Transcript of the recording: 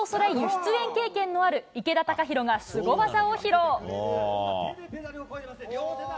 出演経験のある池田貴広がすご技を披露。